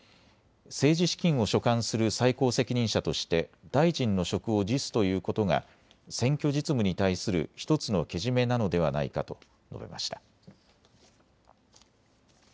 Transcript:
政治資金を所管する最高責任者として大臣の職を辞すということが選挙実務に対する１つのけじめなのではないかと述べました。